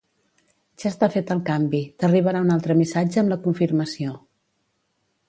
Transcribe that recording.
Ja està fet el canvi, t'arribarà un altre missatge amb la confirmació.